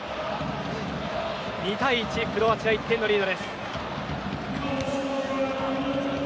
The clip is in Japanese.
２対１、クロアチア１点リード。